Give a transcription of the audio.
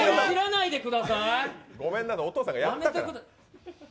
ごめんなお父さんがやったから。